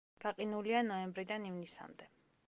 გაყინულია ნოემბრიდან ივნისამდე.